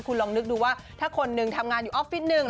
คุณลองนึกดูว่าถ้าคนหนึ่งทำงานอยู่ออฟฟิศหนึ่ง